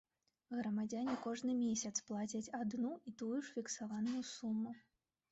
Грамадзяне кожны месяц плацяць адну і тую ж фіксаваную суму.